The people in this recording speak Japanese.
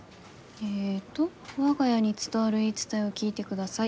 えっと「我が家に伝わる言い伝えを聞いてください！